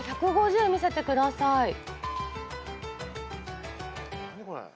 １５０見せてください。